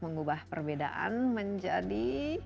mengubah perbedaan menjadi